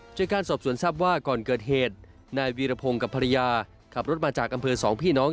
จากการสอบสวนทรัพย์ว่าก่อนเกิดเหตุนายวีรพงศ์กับภรรยาขับรถมาจากอำเภอสองพี่น้อง